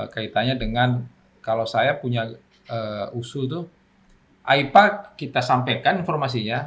kaitannya dengan kalau saya punya usu itu aipa kita sampaikan informasinya